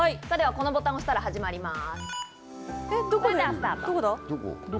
このボタンを押したら始まります。